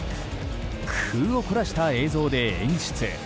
工夫を凝らした映像で演出。